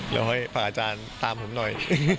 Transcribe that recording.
แล้วให้อาจารย์ตามผมหน่อย